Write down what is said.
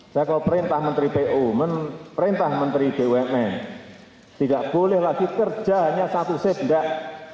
saya kalau perintah menteri pu perintah menteri bumn tidak boleh lagi kerja hanya satu set enggak